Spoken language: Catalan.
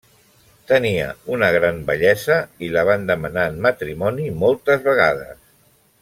Tenia una gran bellesa, i la van demanar en matrimoni moltes vegades.